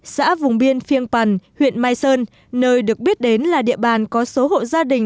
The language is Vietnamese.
xã vùng biên phiêng pần huyện mai sơn nơi được biết đến là địa bàn có số hộ gia đình